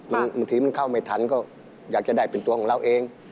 บางทีมันเข้าไม่ทันก็อยากจะได้เป็นตัวของเราเอง